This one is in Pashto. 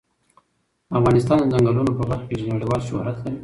افغانستان د ځنګلونه په برخه کې نړیوال شهرت لري.